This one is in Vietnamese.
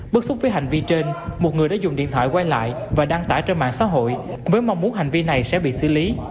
bức xúc với hành vi trên một người đã dùng điện thoại quay lại và đăng tải trên mạng xã hội với mong muốn hành vi này sẽ bị xử lý